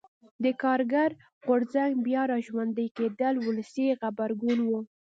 د کارګر غورځنګ بیا را ژوندي کېدل ولسي غبرګون و.